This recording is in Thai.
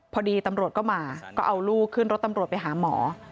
พอดีตำรวจก็มาก็เอาลูกขึ้นรถตำรวจไปหาหมอ